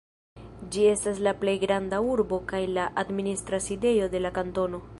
Ĝi estas la plej granda urbo kaj la administra sidejo de la kantono.